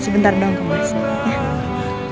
sebentar dong kemas